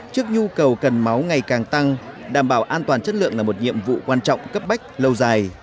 trước nhu cầu cần máu ngày càng tăng đảm bảo an toàn chất lượng là một nhiệm vụ quan trọng cấp bách lâu dài